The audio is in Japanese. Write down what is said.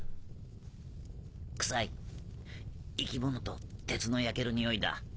臭い生き物と鉄の焼けるにおいだ。